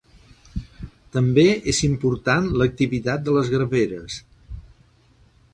També és important l'activitat de les graveres.